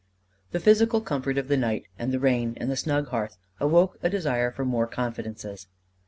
The physical comfort of the night, and the rain, and the snug hearth awoke a desire for more confidences.